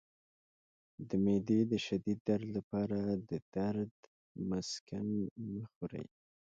د معدې د شدید درد لپاره د درد مسکن مه خورئ